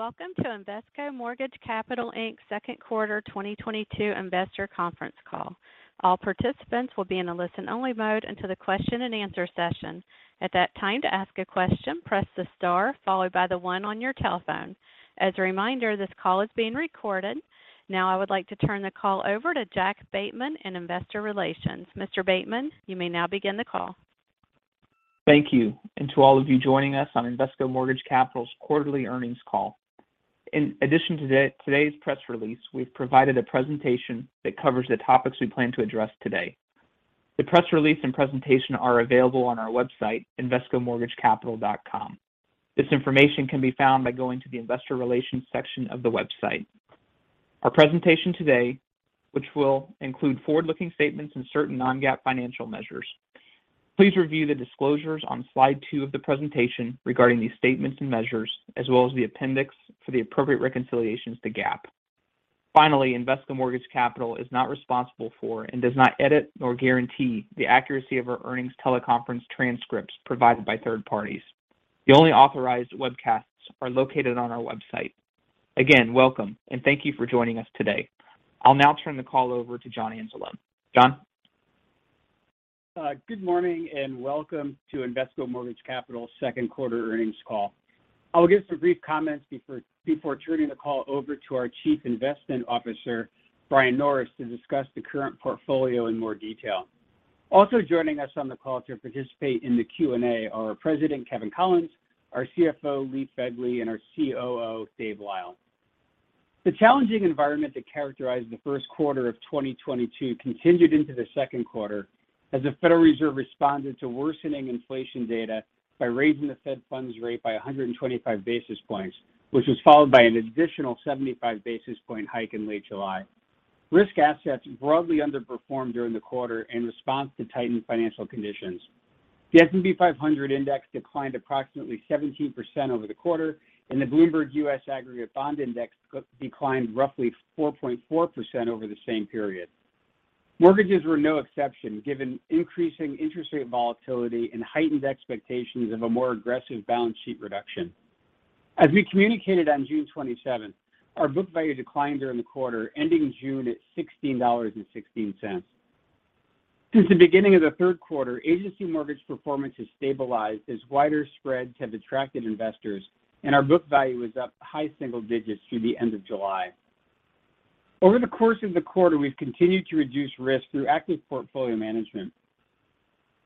Welcome to Invesco Mortgage Capital Inc.'s second quarter 2022 investor conference call. All participants will be in a listen-only mode until the question-and-answer session. At that time, to ask a question, press the star followed by the one on your telephone. As a reminder, this call is being recorded. Now I would like to turn the call over to Jack Bateman in Investor Relations. Mr. Bateman, you may now begin the call. Thank you, and to all of you joining us on Invesco Mortgage Capital's quarterly earnings call. In addition to today's press release, we've provided a presentation that covers the topics we plan to address today. The press release and presentation are available on our website, invescomortgagecapital.com. This information can be found by going to the Investor Relations section of the website. Our presentation today, which will include forward-looking statements and certain non-GAAP financial measures. Please review the disclosures on slide two of the presentation regarding these statements and measures, as well as the appendix for the appropriate reconciliations to GAAP. Finally, Invesco Mortgage Capital is not responsible for and does not edit or guarantee the accuracy of our earnings teleconference transcripts provided by third parties. The only authorized webcasts are located on our website. Again, welcome, and thank you for joining us today. I'll now turn the call over to John Anzalone. John? Good morning and welcome to Invesco Mortgage Capital's second quarter earnings call. I'll give some brief comments before turning the call over to our Chief Investment Officer, Brian Norris, to discuss the current portfolio in more detail. Also joining us on the call to participate in the Q&A are President Kevin Collins, our CFO, Lee Phegley and our COO, David Lyle. The challenging environment that characterized the first quarter of 2022 continued into the second quarter as the Federal Reserve responded to worsening inflation data by raising the Federal funds rate by 125 basis points, which was followed by an additional 75 basis point hike in late July. Risk assets broadly underperformed during the quarter in response to tightened financial conditions. The S&P 500 index declined approximately 17% over the quarter, and the Bloomberg U.S. Aggregate Bond Index declined roughly 4.4% over the same period. Mortgages were no exception given increasing interest rate volatility and heightened expectations of a more aggressive balance sheet reduction. As we communicated on June 27th, our book value declined during the quarter, ending June at $16.16. Since the beginning of the third quarter, agency mortgage performance has stabilized as wider spreads have attracted investors, and our book value is up high single digits through the end of July. Over the course of the quarter, we've continued to reduce risk through active portfolio management.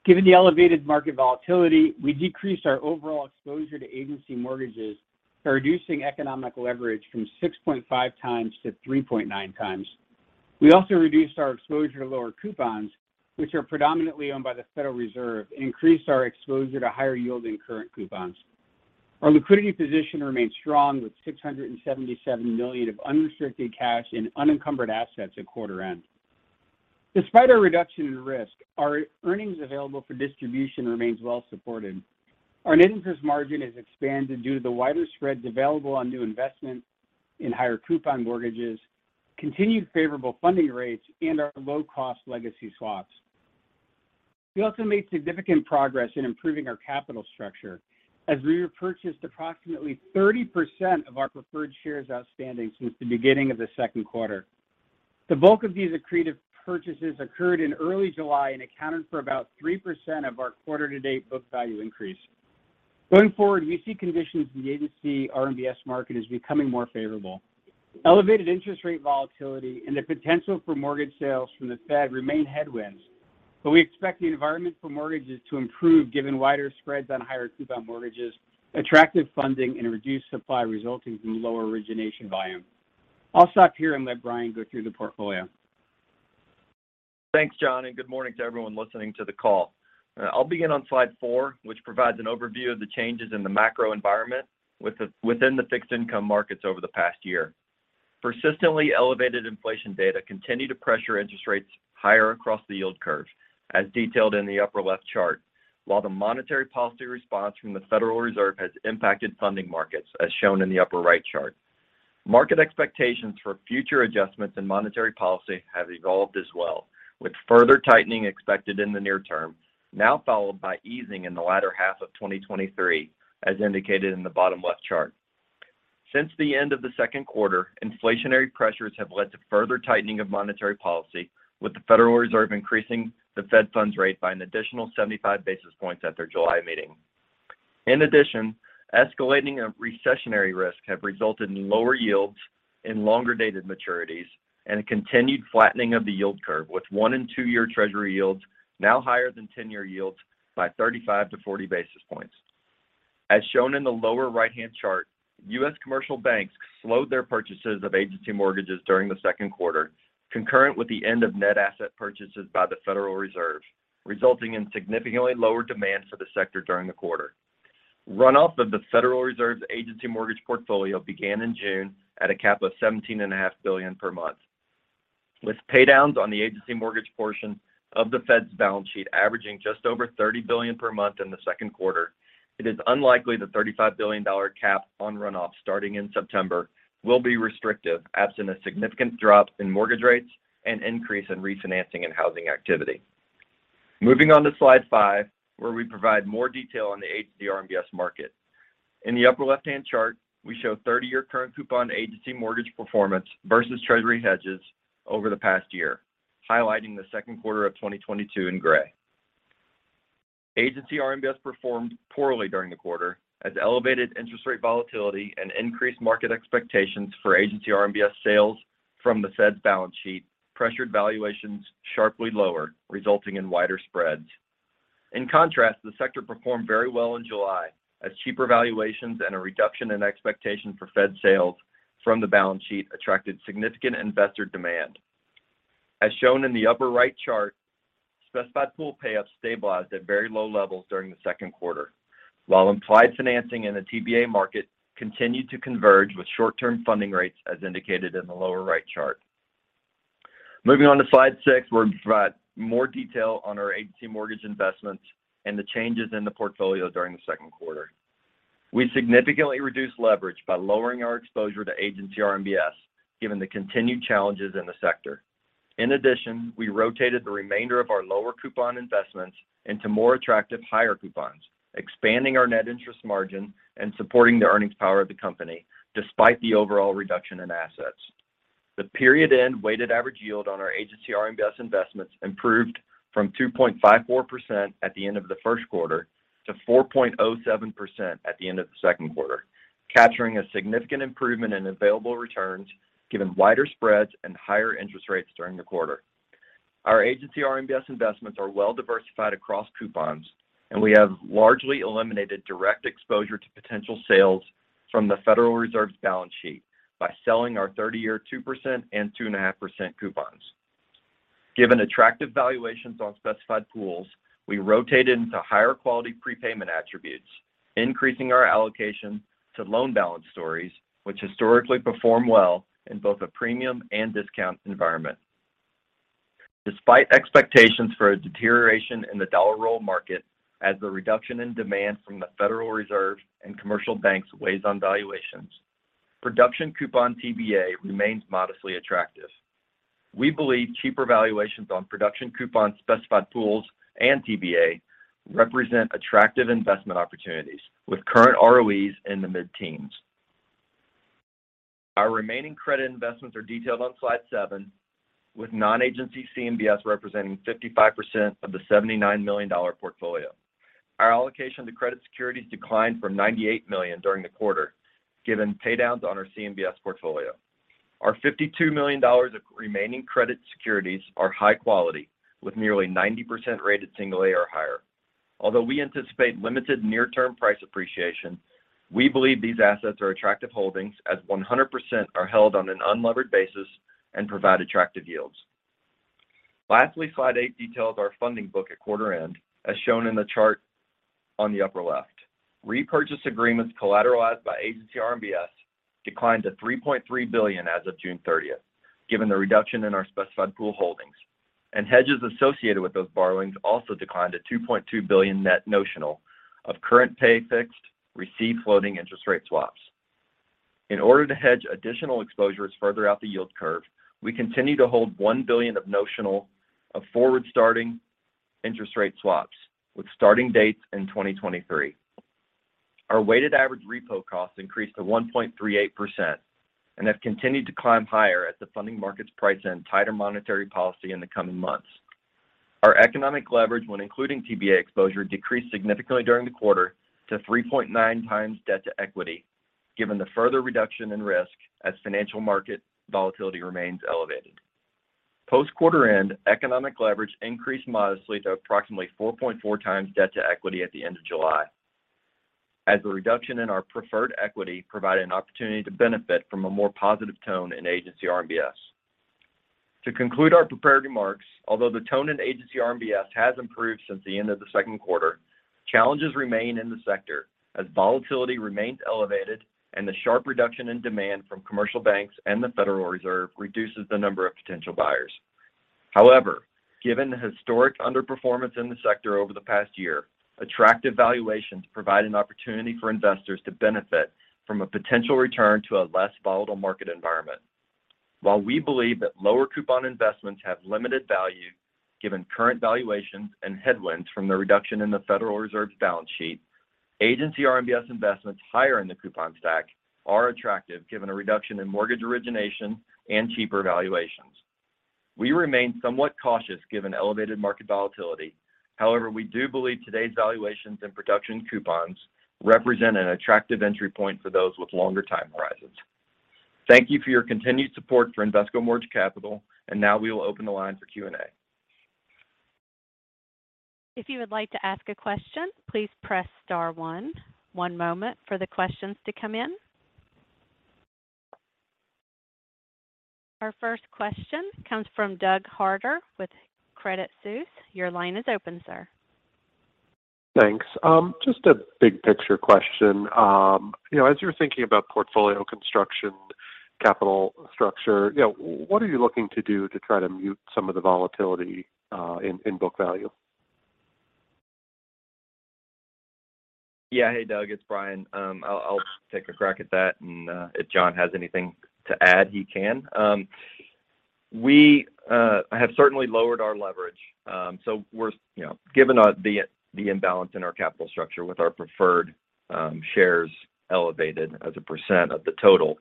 Given the elevated market volatility, we decreased our overall exposure to agency mortgages by reducing economic leverage from 6.5x-3.9x. We also reduced our exposure to lower coupons, which are predominantly owned by the Federal Reserve, increased our exposure to higher yielding current coupons. Our liquidity position remains strong with $677 million of unrestricted cash in unencumbered assets at quarter end. Despite our reduction in risk, our earnings available for distribution remains well supported. Our net interest margin has expanded due to the wider spreads available on new investments in higher coupon mortgages, continued favorable funding rates, and our low-cost legacy swaps. We also made significant progress in improving our capital structure as we repurchased approximately 30% of our preferred shares outstanding since the beginning of the second quarter. The bulk of these accretive purchases occurred in early July and accounted for about 3% of our quarter-to-date book value increase. Going forward, we see conditions in the Agency RMBS market as becoming more favorable. Elevated interest rate volatility and the potential for mortgage sales from the Fed remain headwinds, but we expect the environment for mortgages to improve given wider spreads on higher coupon mortgages, attractive funding, and reduced supply resulting from lower origination volume. I'll stop here and let Brian go through the portfolio. Thanks, John, and good morning to everyone listening to the call. I'll begin on slide eight, which provides an overview of the changes in the macro environment within the fixed income markets over the past year. Persistently elevated inflation data continue to pressure interest rates higher across the yield curve, as detailed in the upper left chart, while the monetary policy response from the Federal Reserve has impacted funding markets, as shown in the upper right chart. Market expectations for future adjustments in monetary policy have evolved as well, with further tightening expected in the near term, now followed by easing in the latter half of 2023, as indicated in the bottom left chart. Since the end of the second quarter, inflationary pressures have led to further tightening of monetary policy, with the Federal Reserve increasing the Federal funds rate by an additional 75 basis points at their July meeting. In addition, escalating of recessionary risk have resulted in lower yields and longer-dated maturities and a continued flattening of the yield curve, with one and two-year Treasury yields now higher than 10-year yields by 35-40 basis points. As shown in the lower right-hand chart, U.S. commercial banks slowed their purchases of agency mortgages during the second quarter, concurrent with the end of net asset purchases by the Federal Reserve, resulting in significantly lower demand for the sector during the quarter. Runoff of the Federal Reserve's agency mortgage portfolio began in June at a cap of $17.5 billion per month. With paydowns on the agency mortgage portion of the Fed's balance sheet averaging just over $30 billion per month in the second quarter, it is unlikely the $35 billion cap on runoff starting in September will be restrictive absent a significant drop in mortgage rates and increase in refinancing and housing activity. Moving on to slide five, where we provide more detail on the Agency RMBS market. In the upper left-hand chart, we show 30-year current coupon agency mortgage performance versus Treasury hedges over the past year, highlighting the second quarter of 2022 in gray. Agency RMBS performed poorly during the quarter as elevated interest rate volatility and increased market expectations for Agency RMBS sales from the Fed's balance sheet pressured valuations sharply lower, resulting in wider spreads. In contrast, the sector performed very well in July as cheaper valuations and a reduction in expectation for Fed sales from the balance sheet attracted significant investor demand. As shown in the upper right chart, specified pool payouts stabilized at very low levels during the second quarter, while implied financing in the TBA market continued to converge with short-term funding rates as indicated in the lower right chart. Moving on to slide six, where we provide more detail on our agency mortgage investments and the changes in the portfolio during the second quarter. We significantly reduced leverage by lowering our exposure to Agency RMBS, given the continued challenges in the sector. In addition, we rotated the remainder of our lower coupon investments into more attractive higher coupons, expanding our net interest margin and supporting the earnings power of the company despite the overall reduction in assets. The period-end weighted average yield on our Agency RMBS investments improved from 2.54% at the end of the first quarter to 4.07% at the end of the second quarter, capturing a significant improvement in available returns given wider spreads and higher interest rates during the quarter. Our Agency RMBS investments are well-diversified across coupons, and we have largely eliminated direct exposure to potential sales from the Federal Reserve's balance sheet by selling our 30-year 2% and 2.5% coupons. Given attractive valuations on specified pools, we rotated into higher quality prepayment attributes, increasing our allocation to loan balance stories which historically perform well in both a premium and discount environment. Despite expectations for a deterioration in the dollar roll market as the reduction in demand from the Federal Reserve and commercial banks weighs on valuations, production coupon TBA remains modestly attractive. We believe cheaper valuations on production coupon specified pools and TBA represent attractive investment opportunities with current ROEs in the mid-teens. Our remaining credit investments are detailed on slide seven, with non-agency CMBS representing 55% of the $79 million portfolio. Our allocation to credit securities declined from $98 million during the quarter, given paydowns on our CMBS portfolio. Our $52 million of remaining credit securities are high quality, with nearly 90% rated single A or higher. Although we anticipate limited near-term price appreciation, we believe these assets are attractive holdings as 100% are held on an unlevered basis and provide attractive yields. Lastly, slide eight details our funding book at quarter end, as shown in the chart on the upper left. Repurchase agreements collateralized by Agency RMBS declined to $3.3 billion as of June 30th, given the reduction in our specified pool holdings. Hedges associated with those borrowings also declined to $2.2 billion net notional of current pay fixed, receive floating interest rate swaps. In order to hedge additional exposures further out the yield curve, we continue to hold 1 billion of notional of forward-starting interest rate swaps, with starting dates in 2023. Our weighted average repo costs increased to 1.38% and have continued to climb higher as the funding markets price in tighter monetary policy in the coming months. Our economic leverage when including TBA exposure decreased significantly during the quarter to 3.9x debt to equity, given the further reduction in risk as financial market volatility remains elevated. Post-quarter end, economic leverage increased modestly to approximately 4.4x debt to equity at the end of July, as the reduction in our preferred equity provided an opportunity to benefit from a more positive tone in agency RMBS. To conclude our prepared remarks, although the tone in agency RMBS has improved since the end of the second quarter, challenges remain in the sector as volatility remains elevated and the sharp reduction in demand from commercial banks and the Federal Reserve reduces the number of potential buyers. However, given the historic underperformance in the sector over the past year, attractive valuations provide an opportunity for investors to benefit from a potential return to a less volatile market environment. While we believe that lower coupon investments have limited value given current valuations and headwinds from the reduction in the Federal Reserve's balance sheet, Agency RMBS investments higher in the coupon stack are attractive given a reduction in mortgage origination and cheaper valuations. We remain somewhat cautious given elevated market volatility. However, we do believe today's valuations and production coupons represent an attractive entry point for those with longer time horizons. Thank you for your continued support for Invesco Mortgage Capital, and now we will open the line for Q&A. If you would like to ask a question, please press star one. One moment for the questions to come in. Our first question comes from Doug Harter with Credit Suisse. Your line is open, sir. Thanks. Just a big picture question. You know, as you're thinking about portfolio construction, capital structure, you know, what are you looking to do to try to mute some of the volatility in book value? Yeah. Hey, Doug, it's Brian. I'll take a crack at that, and if John has anything to add, he can. We have certainly lowered our leverage. So we're, you know, given the imbalance in our capital structure with our preferred shares elevated as a percent of the total,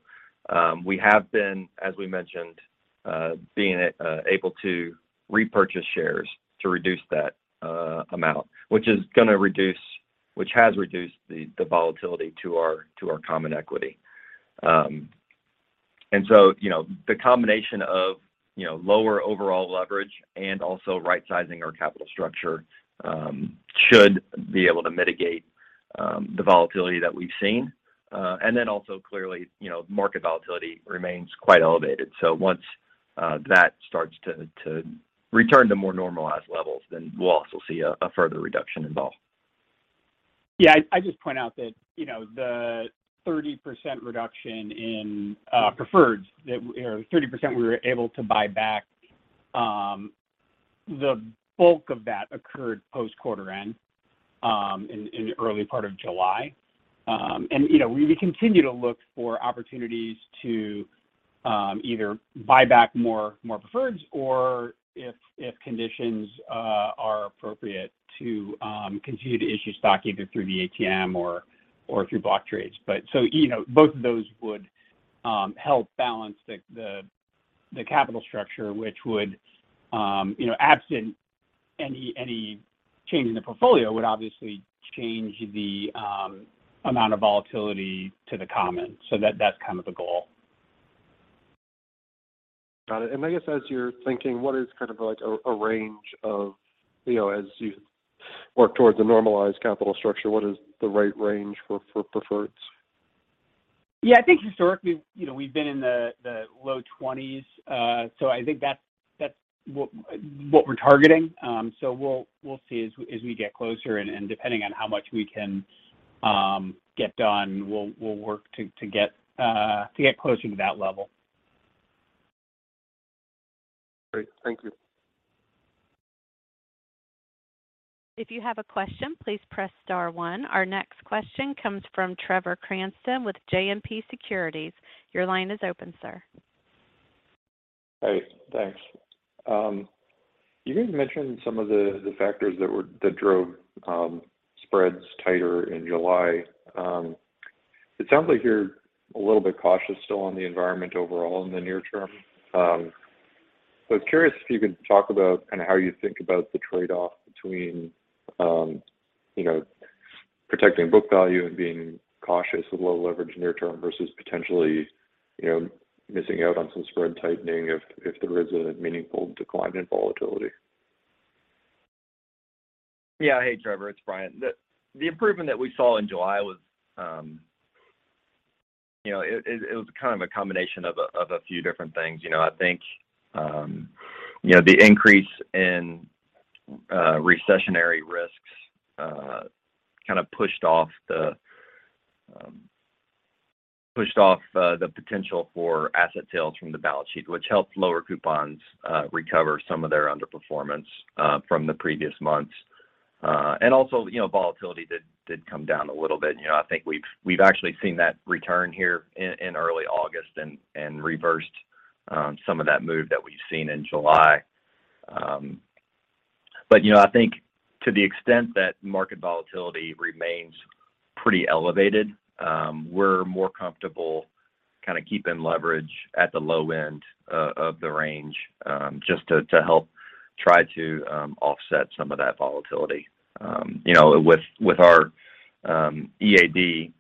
we have been, as we mentioned, able to repurchase shares to reduce that amount, which has reduced the volatility to our common equity. You know, the combination of, you know, lower overall leverage and also right-sizing our capital structure should be able to mitigate the volatility that we've seen. Clearly, you know, market volatility remains quite elevated. Once that starts to return to more normalized levels, then we'll also see a further reduction in vol. Yeah. I just point out that, you know, the 30% reduction in preferreds or 30% we were able to buy back, the bulk of that occurred post-quarter end, in the early part of July. You know, we continue to look for opportunities to either buy back more preferreds or if conditions are appropriate to continue to issue stock either through the ATM or through block trades. You know, both of those would help balance the capital structure, which would, you know, absent any change in the portfolio would obviously change the amount of volatility to the commons. That, that's kind of the goal. Got it. I guess as you're thinking, what is kind of like a range of you know, as you work towards a normalized capital structure, what is the right range for preferreds? Yeah. I think historically, you know, we've been in the low 20s. I think that's what we're targeting. We'll see as we get closer, and depending on how much we can get done, we'll work to get closer to that level. Great. Thank you. If you have a question, please press star one. Our next question comes from Trevor Cranston with JMP Securities. Your line is open, sir. Hey, thanks. You guys mentioned some of the factors that drove spreads tighter in July. It sounds like you're a little bit cautious still on the environment overall in the near term. I was curious if you could talk about kind of how you think about the trade-off between, you know, protecting book value and being cautious with low leverage near term versus potentially, you know, missing out on some spread tightening if there is a meaningful decline in volatility. Yeah. Hey, Trevor. It's Brian. The improvement that we saw in July was, you know, kind of a combination of a few different things. You know, I think, you know, the increase in recessionary risks kind of pushed off the potential for asset sales from the balance sheet, which helped lower coupons recover some of their underperformance from the previous months. And also, you know, volatility did come down a little bit. You know, I think we've actually seen that return here in early August and reversed some of that move that we've seen in July. You know, I think to the extent that market volatility remains pretty elevated, we're more comfortable kind of keeping leverage at the low end of the range, just to help try to offset some of that volatility. You know, with our EAD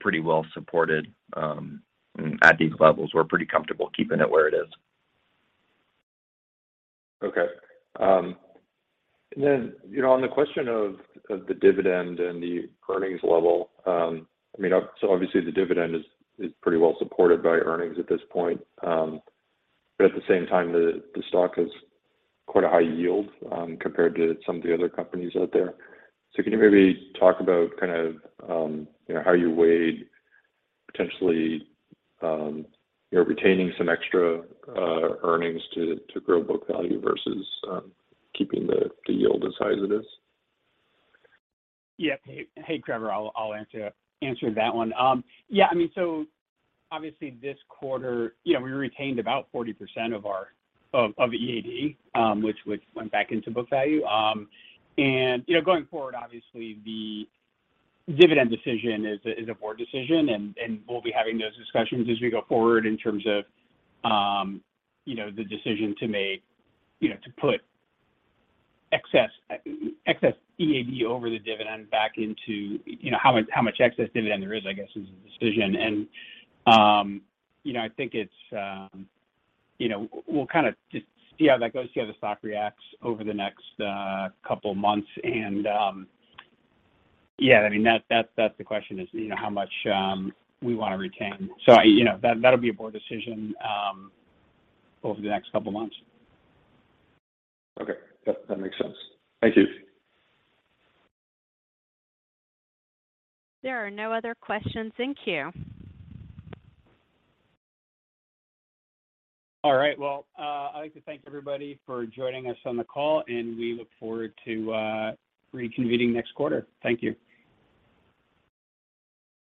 pretty well supported at these levels, we're pretty comfortable keeping it where it is. Okay. You know, on the question of the dividend and the earnings level, I mean, obviously the dividend is pretty well supported by earnings at this point. At the same time, the stock has quite a high yield, compared to some of the other companies out there. Can you maybe talk about kind of, you know, how you weighed potentially, you know, retaining some extra earnings to grow book value versus keeping the yield the size it is? Yeah. Hey, Trevor, I'll answer that one. Yeah, I mean, so obviously this quarter, you know, we retained about 40% of our EAD, which went back into book value. You know, going forward, obviously, the dividend decision is a board decision, and we'll be having those discussions as we go forward in terms of, you know, the decision to make, you know, to put excess EAD over the dividend back into you know, how much excess dividend there is, I guess, is the decision. You know, I think it's, you know, we'll kind of just see how that goes, see how the stock reacts over the next couple of months. Yeah, I mean, that's the question is, you know, how much we wanna retain. You know, that'll be a board decision over the next couple of months. Okay. Yep, that makes sense. Thank you. There are no other questions in queue. All right. Well, I'd like to thank everybody for joining us on the call, and we look forward to reconvening next quarter. Thank you.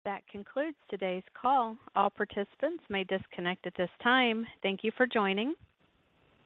That concludes today's call. All participants may disconnect at this time. Thank you for joining.